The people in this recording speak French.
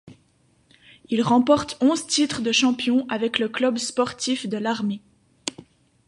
Il remporte onze titres de champion avec le club sportif de l'armée.